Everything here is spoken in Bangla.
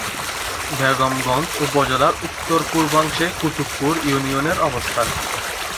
বেগমগঞ্জ উপজেলার উত্তর-পূর্বাংশে কুতুবপুর ইউনিয়নের অবস্থান।